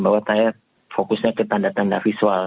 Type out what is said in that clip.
bahwa saya fokusnya ke tanda tanda visual